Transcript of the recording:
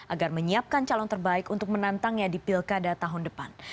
agar menyiapkan calon terbaik untuk menantangnya di pilkada tahun depan